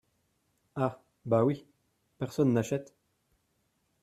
Ah ! ben oui ! personne n’achète !…